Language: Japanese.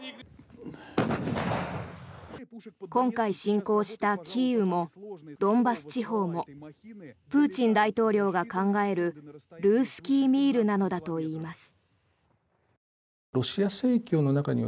今回侵攻したキーウもドンバス地方もプーチン大統領が考えるルースキー・ミールなのだといいます。